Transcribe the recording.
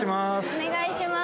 お願いします。